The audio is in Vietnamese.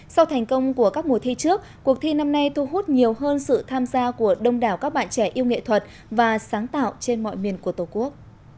sau thành công của các mùa thi trước cuộc thi năm nay thu hút nhiều hơn sự tham gia của đông đảo các bạn trẻ yêu nghệ thuật và sáng tạo trên mọi miền của tổ quốc